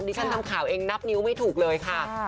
ฉันทำข่าวเองนับนิ้วไม่ถูกเลยค่ะ